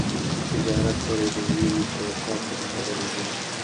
د تجارت بری د ژمنې په وفا پورې تړلی دی.